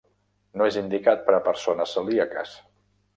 No és indicat per a persones celíaques.